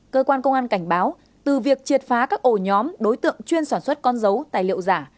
cơ quan công an cảnh báo từ việc triệt phá các ổ nhóm đối tượng chuyên sản xuất con dấu tài liệu giả